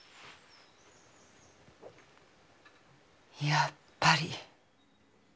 やっぱり。